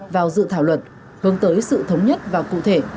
vào dự thảo luật hướng tới sự thống nhất và cụ thể